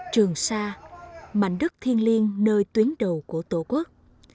trường sa mảnh đất thiên liên nơi tuyến đầu của tổ quốc